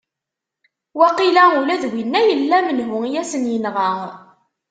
Waqila ula d winna yella menhu i asen-yenɣa!